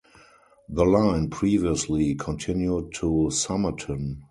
The line previously continued to Somerton.